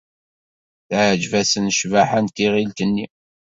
Teɛjeb-asen ccbaḥa n tiɣilt-nni.